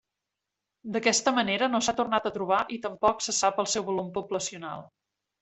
D'aquesta manera, no s'ha tornat a trobar i tampoc se sap el seu volum poblacional.